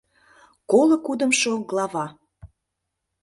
Коло кудымшо глава